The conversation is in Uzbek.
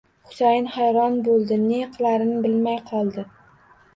Husayin hayron bo'ldi, ne qilarini bilmay qoldi.